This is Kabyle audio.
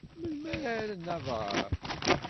Melmi ara rren aḍar?